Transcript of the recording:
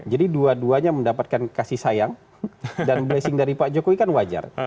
jadi dua duanya mendapatkan kasih sayang dan blessing dari pak jokowi kan wajar